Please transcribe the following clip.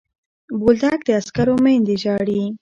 بولدک د عسکرو میندې ژاړي.